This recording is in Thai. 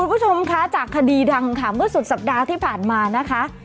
คุณผู้ชมค่ะจากคดีดังวันละ๔สัปดาห์ที่ผ่านมานะคะ